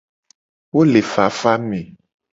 Wo le ngtifafa me.